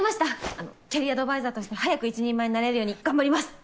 あのキャリアアドバイザーとして早く一人前になれるように頑張ります。